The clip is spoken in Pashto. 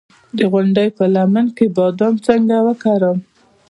د غونډۍ په لمن کې بادام څنګه وکرم؟